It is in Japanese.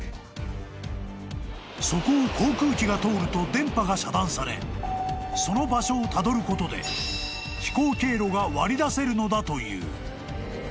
［そこを航空機が通ると電波が遮断されその場所をたどることで飛行経路が割り出せるのだという］